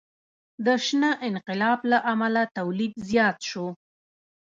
د شنه انقلاب له امله تولید زیات شو.